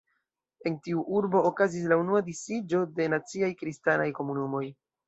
En tiu urbo okazis la unua disiĝo de naciaj kristanaj komunumoj.